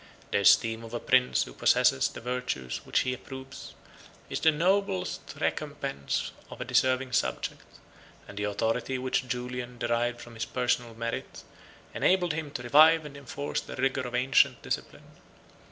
The esteem of a prince who possesses the virtues which he approves, is the noblest recompense of a deserving subject; and the authority which Julian derived from his personal merit, enabled him to revive and enforce the rigor of ancient discipline.